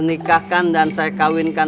bija sesuai tiga belas warga